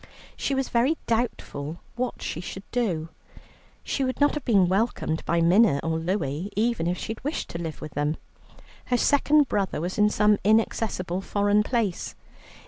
She was very doubtful what she should do. She would not have been welcomed by Minna or Louie, even if she had wished to live with them. Her second brother was in some inaccessible foreign place.